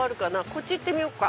こっち行ってみようか。